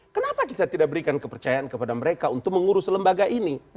kenapa kita tidak berikan kepercayaan kepada mereka untuk mengurus lembaga ini